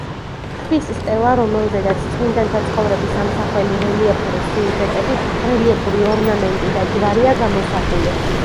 ქვის სტელა, რომელზედაც წმინდანთა ცხოვრების ამსახველი რელიეფური სიუჟეტები, რელიეფური ორნამენტი და ჯვარია გამოსახული.